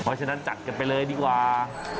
เพราะฉะนั้นจัดกันไปเลยดีกว่า